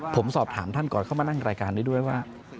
ผมสอบถามท่านก่อนเข้ามานั่งรายการนี้ด้วยว่า